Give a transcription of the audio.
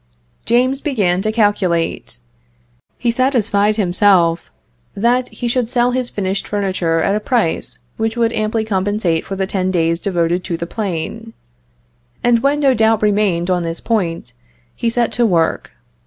James began to calculate. He satisfied himself that he should sell his finished furniture at a price which would amply compensate for the ten days devoted to the plane; and when no doubt remained on this point, he set to work.